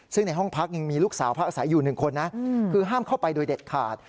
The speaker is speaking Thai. ซึ่งในห้องพักยังมีลูกสาวพักอาศัยอยู่๑คนนะคือห้ามเข้าไปโดยเด็ดขาด